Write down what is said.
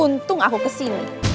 untung aku ke sini